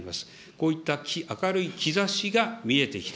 こういった明るい兆しが見えてきた。